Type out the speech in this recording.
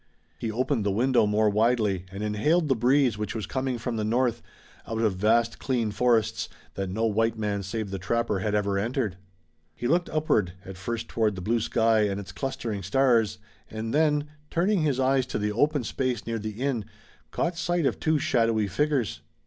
He opened the window more widely and inhaled the breeze which was coming from the north, out of vast clean forests, that no white man save the trapper had ever entered. He looked upward, at first toward the blue sky and its clustering stars, and then, turning his eyes to the open space near the inn, caught sight of two shadowy figures.